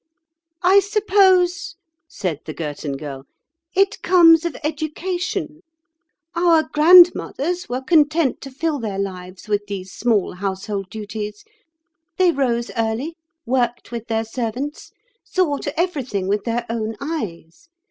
"I suppose," said the Girton Girl, "it comes of education. Our grandmothers were content to fill their lives with these small household duties. They rose early, worked with their servants, saw to everything with their own eyes.